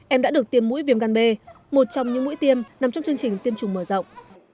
em đã được tiêm mũi viêm gan b một trong những mũi tiêm nằm trong chương trình tiêm chủng mở rộng